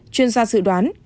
chuyên gia dự đoán